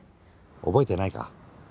覚えてないか？